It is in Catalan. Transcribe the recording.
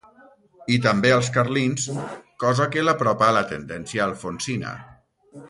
I també als carlins, cosa que l'apropa a la tendència alfonsina.